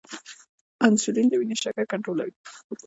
انسولین د وینې شکر کنټرولوي